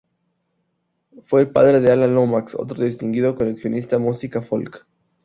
Fue el padre de Alan Lomax, otro distinguido coleccionista música folk.